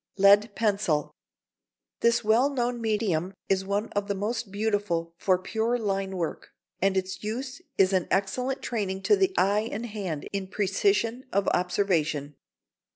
[Sidenote: Lead Pencil] This well known medium is one of the most beautiful for pure line work, and its use is an excellent training to the eye and hand in precision of observation.